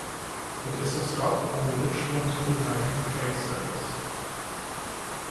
It is a stop on the Richmond Hill line train service.